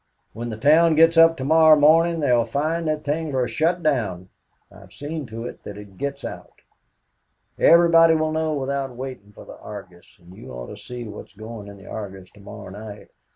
When the town gets up to morrow morning, they will find that things are shut down. I have seen to it that it gets out. Everybody will know without waiting for the Argus, and you ought to see what's going in the Argus to morrow night.